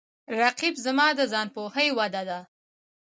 رقیب زما د ځان پوهې وده ده